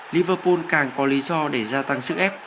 liverpool càng có lý do để gia tăng sức ép